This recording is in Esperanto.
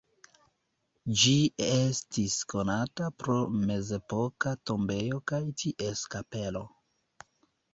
Ĝi estis konata pro mezepoka tombejo kaj ties kapelo.